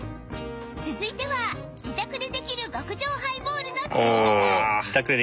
続いては自宅でできる極上ハイボールの作り方